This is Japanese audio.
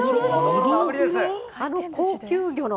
あの高級魚の？